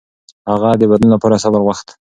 هغه د بدلون لپاره صبر غوښت.